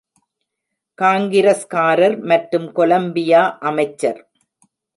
காங்கிரஸ்காரர் மற்றும் கொலம்பியா அமைச்சர்.